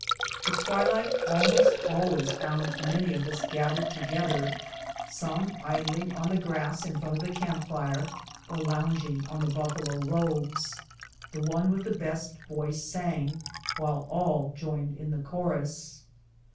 The twilight almost always found many of us gath ered together, some idling on the grass in front of the camp fire, or lounging on the buffalo robes. The one w^ith the best voice sang, while all joined in the chorus.